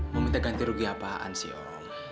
mau minta ganti rugi apaan sih om